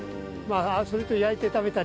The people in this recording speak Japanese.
それと焼いて食べたり。